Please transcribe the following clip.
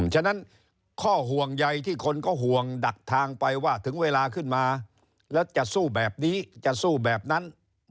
ฉะนั้นข้อห่วงใยที่คนก็ห่วงดักทางไปว่าถึงเวลาขึ้นมาแล้วจะสู้แบบนี้จะสู้แบบนั้น